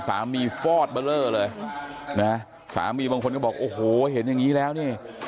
สามีฟอร์ดเบลอเลยนะฮะสามีบางคนก็บอกโอ้โหเห็นอย่างงี้แล้วนี่